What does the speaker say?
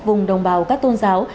vùng đồng bào các tôn giáo